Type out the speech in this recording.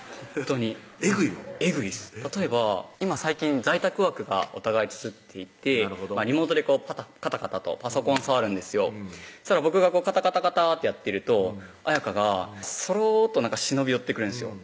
例えば今最近在宅ワークがお互い続いていてリモートでこうカタカタとパソコン触るんですよそしたら僕がカタカタカタってやってると彩圭がそろっと忍び寄ってくるんですよ